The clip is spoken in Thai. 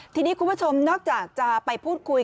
ทีนี้คุณผู้ชมนอกจากจะไปพูดคุย